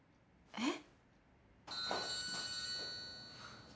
えっ！？